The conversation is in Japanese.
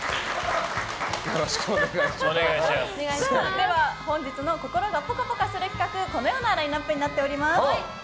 では、本日の心がぽかぽかする企画はこのようなラインアップになっています。